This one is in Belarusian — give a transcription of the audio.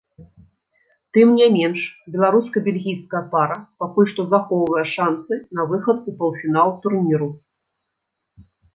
Тым не менш, беларуска-бельгійская пара пакуль што захоўвае шанцы на выхад у паўфінал турніру.